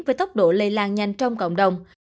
với tốc độ lây lan nhanh trong cộng đồng